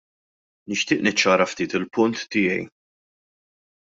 Nixtieq niċċara ftit il-punt tiegħi.